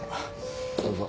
どうぞ。